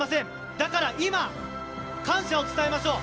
だから今、感謝を伝えましょう！